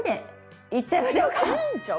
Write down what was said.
「いいんちゃう？